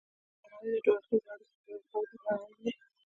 درناوی د دوه اړخیزو اړیکو پیاوړي کولو لپاره اړین دی.